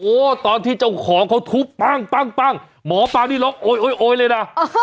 โอ้ตอนที่เจ้าของเขาทุบปั้งปั้งปั้งหมอปลานี่ล็อกโอ๊ยโอ๊ยโอ๊ยเลยน่ะ